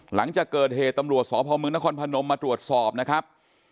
หลังจากเกิดเหตุตำรวจสพมนครพนมมาตรวจสอบนะครับ